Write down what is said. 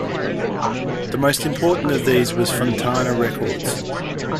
The most important of these was Fontana Records.